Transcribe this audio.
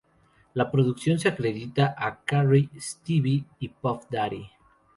La producción se acredita a Carey, Stevie y Puff Daddy.